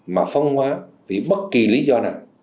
mà phân hóa vì bất kỳ lý do nào